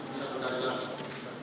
bisa saudara jelaskan